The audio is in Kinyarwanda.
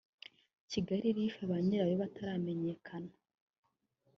Kigalilife ba nyirayo bataramenyekana